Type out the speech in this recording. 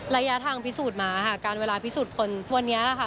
ระยะทางพิสูจน์มาค่ะการเวลาพิสูจน์คนวันนี้ค่ะ